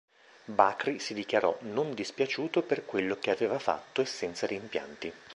Bakri si dichiarò "non dispiaciuto per quello che aveva fatto e senza rimpianti".